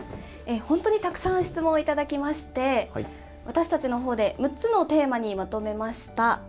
本当にたくさん、質問を頂きまして、私たちのほうで６つのテーマにまとめました。